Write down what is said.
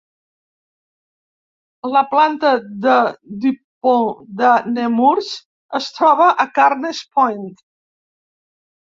La planta de DuPont de Nemours es troba en Carneys Point.